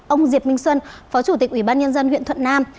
ông diệp minh xuân phó chủ tịch ủy ban nhân dân huyện thuận nam